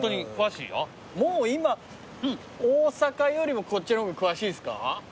もう今大阪よりもこっちの方が詳しいですか？